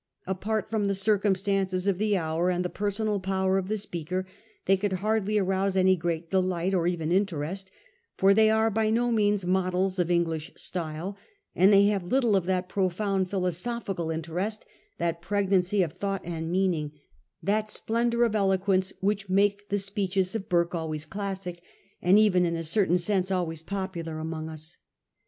Apart from the circumstances of the hour and the personal power of the speaker, they could hardly arouse any great delight, or even interest ; for they are by no means models of English style, and they have little of that profound philosophical interest, that pregnancy of thought and meaning, and that splendour of eloquence, which make the speeches of Burke always classic, and even in a certain sense always popular among us.